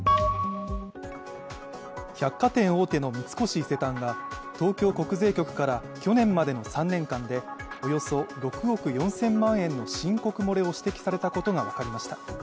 百貨店大手の三越伊勢丹が東京国税局から去年までの３年間でおよそ６億４０００万円の申告漏れを指摘されたことが分かりました。